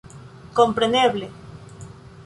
Kompreneble!